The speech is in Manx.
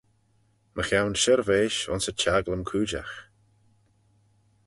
Mychione shirveish ayns y çhaglym-cooidjagh.